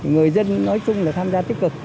người dân nói chung là tham gia tích cực